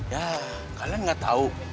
yah kalian gak tahu